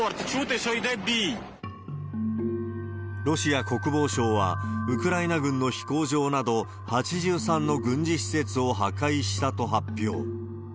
ロシア国防省は、ウクライナ軍の飛行場など、８３の軍事施設を破壊したと発表。